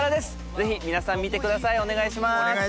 ぜひ皆さん見てくださいお願いします。